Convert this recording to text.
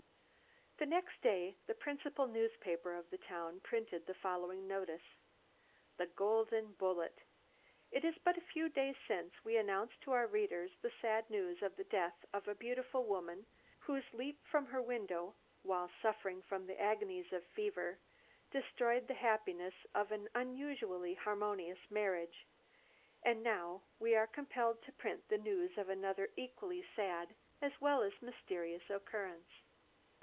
The next day the principal newspaper of the town printed the following notice: THE GOLDEN BULLET It is but a few days since we announced to our readers the sad news of the death of a beautiful woman, whose leap from her window, while suffering from the agonies of fever, destroyed the happiness of an unusually harmonious marriage. And now we are compelled to print the news of another equally sad as well as mysterious occurrence.